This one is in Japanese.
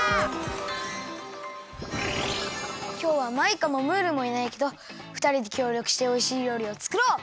きょうはマイカもムールもいないけどふたりできょうりょくしておいしいりょうりをつくろう！